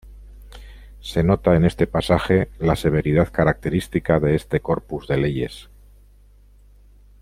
Se nota en este pasaje la severidad característica de este corpus de leyes.